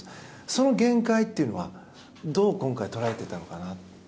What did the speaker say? その限界っていうのはどう今回、捉えていたんですか。